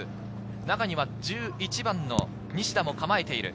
中には１１番の西田も構えている。